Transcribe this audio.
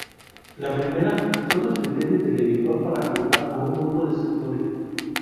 La primera, son los criterios del editor para agrupar a un grupo de escritores.